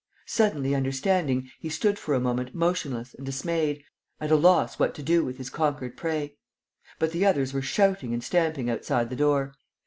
Suddenly understanding, he stood for a moment motionless and dismayed, at a loss what to do with his conquered prey. But the others were shouting and stamping outside the door.